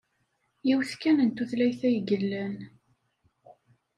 Yiwet kan n tutlayt ay yellan.